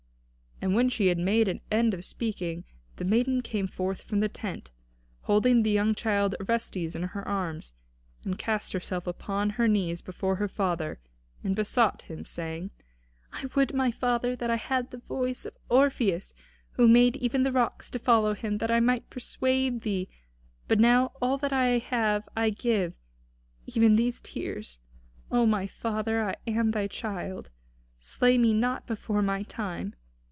And when she had made an end of speaking, the maiden came forth from the tent, holding the young child Orestes in her arms, and cast herself upon her knees before her father, and besought him, saying: "I would, my father, that I had the voice of Orpheus, who made even the rocks to follow him, that I might persuade thee; but now all that I have I give, even these tears. O my father, I am thy child; slay me not before my time.